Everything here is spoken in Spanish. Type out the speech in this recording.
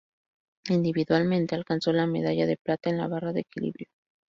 Individualmente, alcanzó la medalla de plata en la barra de equilibrio.